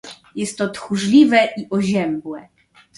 "Jest to tchórzliwe i oziębłe."